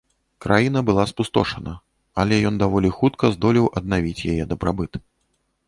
Краіна была спустошана, але ён даволі хутка здолеў аднавіць яе дабрабыт.